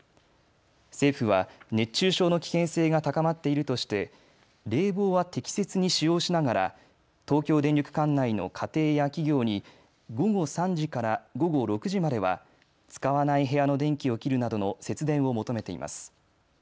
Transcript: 政府は熱中症の危険性が高まっているとして冷房は適切に使用しながら東京電力管内の家庭や企業に午後３時から午後６時までは使わない部屋の電気を切るなどの節電を求めています。